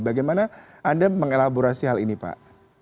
bagaimana anda mengelaborasi hal ini pak